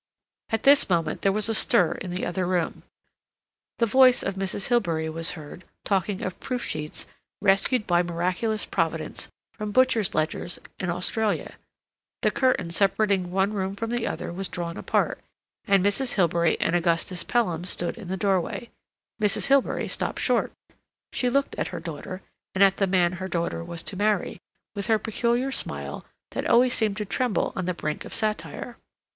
At this moment there was a stir in the other room; the voice of Mrs. Hilbery was heard talking of proof sheets rescued by miraculous providence from butcher's ledgers in Australia; the curtain separating one room from the other was drawn apart, and Mrs. Hilbery and Augustus Pelham stood in the doorway. Mrs. Hilbery stopped short. She looked at her daughter, and at the man her daughter was to marry, with her peculiar smile that always seemed to tremble on the brink of satire.